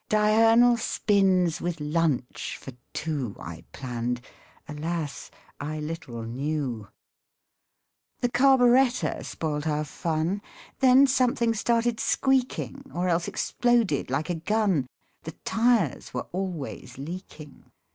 Diurnal spins with lunch for two I planned alas ! I little knew ! The carburetter spoilt our fun, Then something started squeaking, Or else exploded like a gun. The tyres were always leaking.